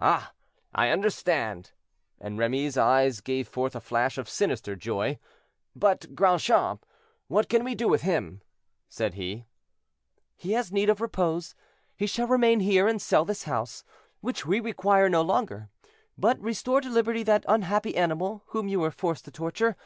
"Ah! I understand!" and Remy's eyes gave forth a flash of sinister joy. "But Grandchamp; what can we do with him?" said he. "He has need of repose. He shall remain here, and sell this house, which we require no longer. But restore to liberty that unhappy animal, whom you were forced to torture.